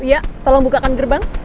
iya tolong bukakan gerbang